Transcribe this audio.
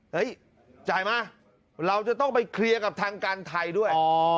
จ่ายมาเราจะต้องไปเคลียร์กับทางการไทยด้วย